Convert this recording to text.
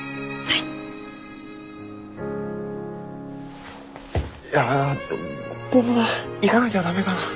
いやでもな行かなきゃ駄目かな？